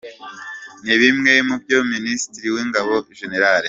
Ni bimwe mu byo Minisitiri w’Ingabo, Gen.